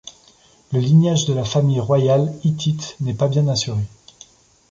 Le lignage de la famille royale hittite n'est pas bien assuré.